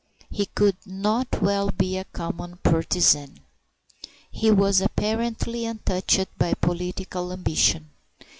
He could not well be a common partisan. He was apparently untouched by political ambition.